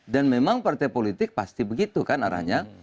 dan memang partai politik pasti begitu kan arahnya